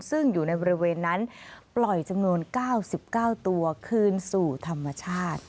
ซึ่งอยู่ในบริเวณนั้นปล่อยจำนวน๙๙ตัวคืนสู่ธรรมชาติ